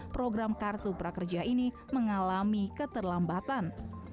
program kartu prakerja ini mengalami keterlambatan